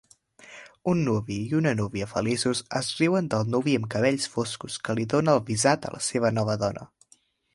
Un nuvi i una núvia feliços es riuen del nuvi amb cabells foscos que li dona el visat a la seva nova dona